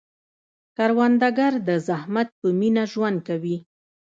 کروندګر د زحمت په مینه ژوند کوي